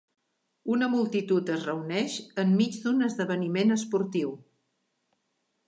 Una multitud es reuneix enmig d'un esdeveniment esportiu.